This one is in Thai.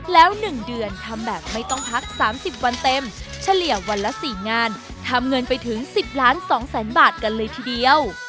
แล้ว๑เดือนทำแบบไม่ต้องพัก๓๐วันเต็มเฉลี่ยวันละ๔งานทำเงินไปถึง๑๐ล้าน๒แสนบาทกันเลยทีเดียว